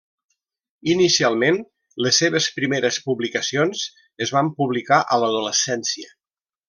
Inicialment, les seves primeres publicacions es van publicar a l'adolescència.